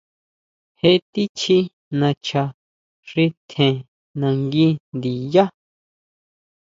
Je tichí nacha xi tjen nangui ndiyá.